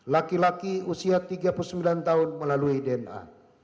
laki laki usia tiga puluh sembilan tahun melalui dna